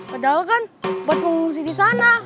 padahal kan buat pengungsi di sana